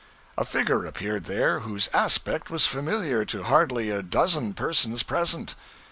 A figure appeared there whose aspect was familiar to hardly a dozen persons present.